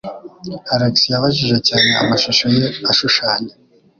Alex yabajije cyane, amashusho ye ashushanya.